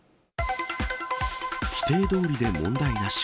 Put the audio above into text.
規定どおりで問題なし。